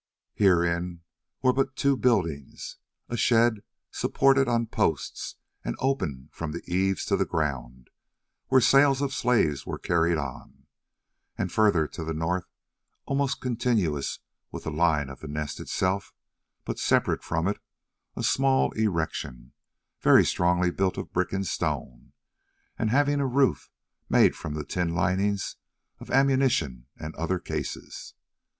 Herein were but two buildings, a shed supported on posts and open from the eaves to the ground, where sales of slaves were carried on, and further to the north, almost continuous with the line of the Nest itself, but separate from it, a small erection, very strongly built of brick and stone, and having a roof made from the tin linings of ammunition and other cases.